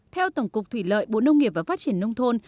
theo tổng cục thủy lợi bộ nông nghiệp và phát triển nông thôn